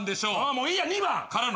もういいや２番！からの？